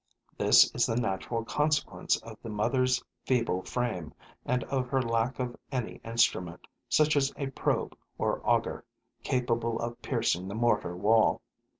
This is the natural consequence of the mother's feeble frame and of her lack of any instrument, such as a probe or auger, capable of piercing the mortar wall.